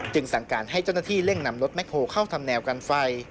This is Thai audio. สั่งการให้เจ้าหน้าที่เร่งนำรถแคคโฮเข้าทำแนวกันไฟ